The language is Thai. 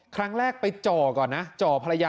ครั้งแรกไปจ่อก่อนนะ